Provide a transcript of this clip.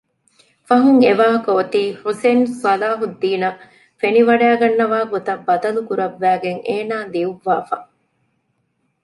ފަހުން އެވާހަކަ އެއޮތީ ޙުސައިން ޞަލާޙުއްދީނަށް ފެނިވަޑައިގަންނަވާ ގޮތަށް ބަދަލުކުރައްވައިގެން އޭނާ ލިޔުއްވާފަ